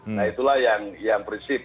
nah itulah yang prinsip